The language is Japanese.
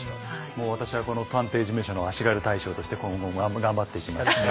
もう私はこの探偵事務所の足軽大将として今後も頑張っていきますので。